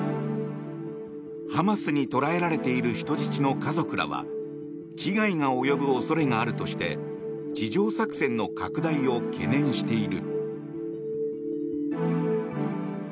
ハマスに捕らえられている人質の家族らは危害が及ぶ恐れがあるとして地上作戦の拡大を懸念している。